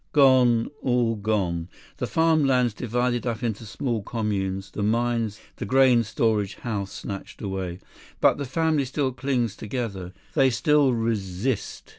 "Gone. All gone. The farm lands divided up into small communes; the mines, the grain storage house snatched away. But the family still clings together. They still resist.